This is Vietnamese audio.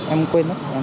em quên lắm